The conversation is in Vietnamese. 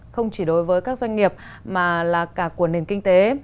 không chỉ đối với các doanh nghiệp mà là cả của nền kinh tế